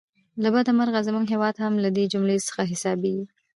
له بده مرغه زموږ هیواد هم له دې جملې څخه حسابېږي.